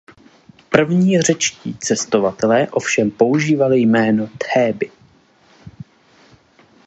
První řečtí cestovatelé ovšem používali jméno Théby.